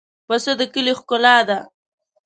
پسه د کلي ښکلا ده.